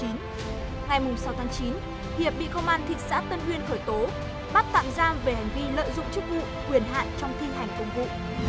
ngày sáu tháng chín hiệp bị công an thị xã tân uyên khởi tố bắt tạm giam về hành vi lợi dụng chức vụ quyền hạn trong thi hành công vụ